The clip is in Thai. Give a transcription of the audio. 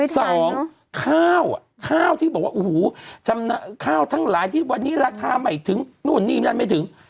สองข้าวข้าวที่บอกว่าโอ้โหจำข้าวทั้งหลายที่วันนี้ราคาใหม่ถึงนู่นนี่นั่นไม่ถึง